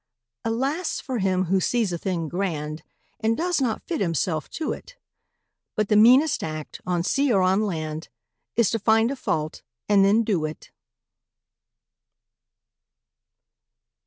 Alas for him who sees a thing grand And does not fit himself to it! But the meanest act, on sea or on land, Is to find a fault, and then do it!